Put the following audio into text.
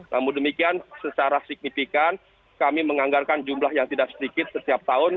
namun demikian secara signifikan kami menganggarkan jumlah yang tidak sedikit setiap tahun